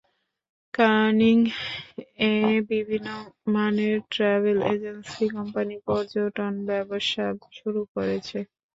ক্যানিং এ বিভিন্ন মানের ট্রাভেল এজেন্সি কোম্পানি পর্যটন ব্যবসা শুরু করেছে।